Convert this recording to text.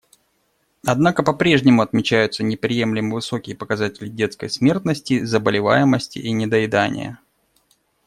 Однако попрежнему отмечаются неприемлемо высокие показатели детской смертности, заболеваемости и недоедания.